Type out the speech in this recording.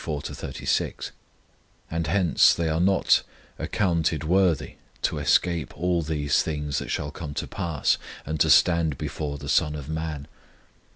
34 36; and hence they are not "accounted worthy to escape all these things that shall come to pass, and to stand before the SON of Man."